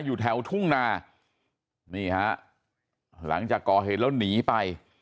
อยู่แถวทุ่งนานี่ฮะหลังจากก่อเหตุแล้วหนีไป